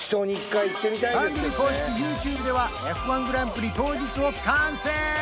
番組公式ＹｏｕＴｕｂｅではＦ１グランプリ当日を観戦！